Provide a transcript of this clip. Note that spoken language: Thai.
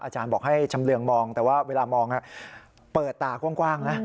อาจารย์บอกให้ชำเรืองมองแต่ว่าเวลามองเปิดตากว้างนะ